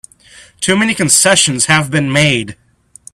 Too many concessions have been made!